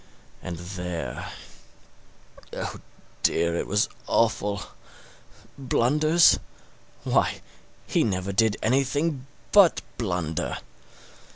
And there oh dear, it was awful. Blunders? why, he never did anything but blunder.